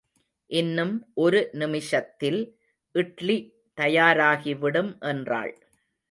இன்னும் ஒரு நிமிஷத்தில் இட்லி தயாராகிவிடும் என்றாள்.